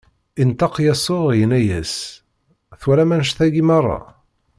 Inṭeq Yasuɛ, inna-asen: Twalam annect-agi meṛṛa?